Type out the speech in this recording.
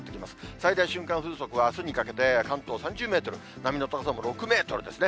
最大瞬間風速は、あすにかけて関東３０メートル、波の高さも６メートルですね。